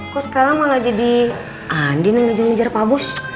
kau sekarang malah jadi andi yang ngejar dua babus